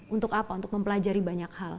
untuk apa untuk mempelajari banyak hal